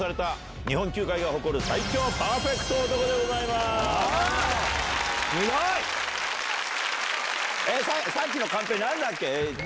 すごい！さっきのカンペ何だっけ？